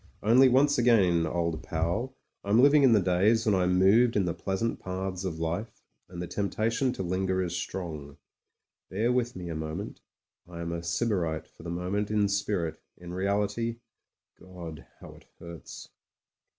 Only once again, old pal, I am living in the days SPUD TREVOR OF THE RED HUSSARS 83 when I moved in the pleasant paths of life, and the temptation to linger is strong. Bear with me a mo ment. I am a sybarite for the moment in spirit: in reality — God! how it hurts.